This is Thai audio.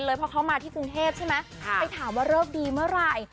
เพราะเขามาที่กรุงเทพใช่ไหมไปถามว่าเลิกดีเมื่อไหร่